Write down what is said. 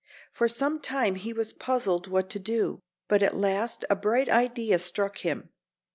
For some time he was puzzled what to do, but at last a bright idea struck him.